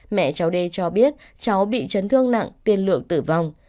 mẹ cháu d cho biết cháu bị chấn thương nặng tiên lượng tử vong